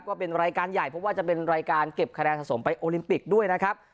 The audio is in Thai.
ก็เป็นรายการใหญ่เพราะว่าจะเป็นรายการเก็บคะแนนสะสมไปโอลิมปิกด้วยนะครับ